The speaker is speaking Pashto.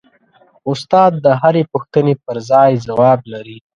استاد د هرې پوښتنې پرځای ځواب لري.